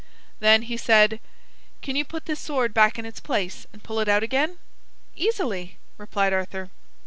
Then he said: "Can you put this sword back in its place and pull it out again?" "Easily," replied Arthur.